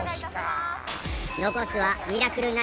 残すは『ミラクル９』